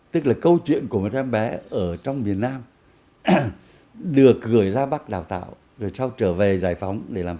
tức là câu chuyện của một em bé ở trong miền nam được gửi ra bắc đào tạo rồi sau trở về giải phóng